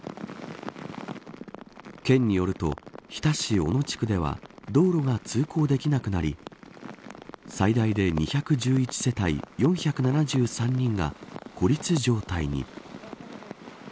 県によると日田市小野地区では道路が通行できなくなり最大で２１１世帯４７３人が孤立状態に。